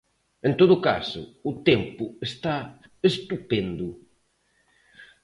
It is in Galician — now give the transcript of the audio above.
En todo caso, o tempo está estupendo.